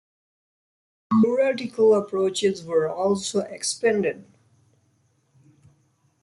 Theoretical approaches were also expanded.